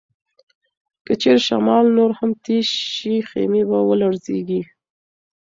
که چیرې شمال نور هم تېز شي، خیمې به ولړزيږي.